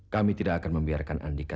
kami tidak akan membiarkan andika